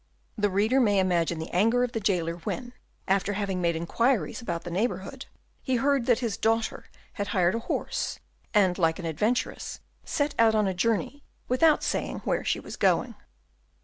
The reader may imagine the anger of the jailer when, after having made inquiries about the neighbourhood, he heard that his daughter had hired a horse, and, like an adventuress, set out on a journey without saying where she was going.